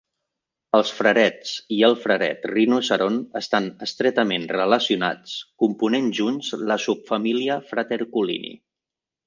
Els frarets i el fraret rinoceront estan estretament relacionats, component junts la subfamília Fraterculini.